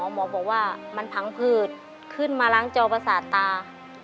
หมอบอกว่ามันพังผืดขึ้นมาล้างจอประสาทตา